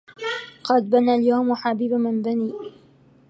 قد بنى اليوم حبيب من بني